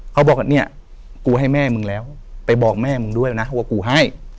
เขาบอกเนี่ยกูให้แม่มึงแล้วไปบอกแม่มึงด้วยนะว่ากูให้